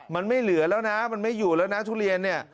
มันไม่เหลือแล้วนะมันไม่อยู่แล้วนะทุเรียนเนี่ย